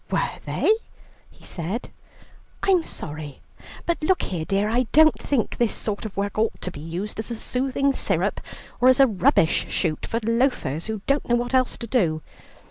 "Were they?" he said, "I'm sorry. But look here, dear, I don't think this sort of work ought to be used as a soothing syrup, or as a rubbish shoot for loafers, who don't know what else to do.